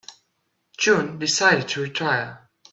June decided to retire.